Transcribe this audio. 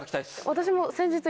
私も。